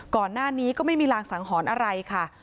ก่อนหน้านี้ก็ไม่มีรางสังหรณ์อะไรค่ะ